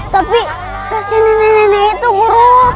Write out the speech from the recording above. tapi kasian nenek nenek itu guru